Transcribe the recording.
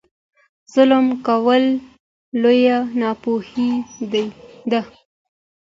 ظلم کول لویه ناپوهي ده.